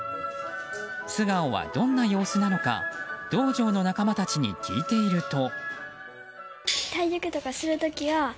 素顔はどんな様子なのか道場の仲間たちに聞いていると。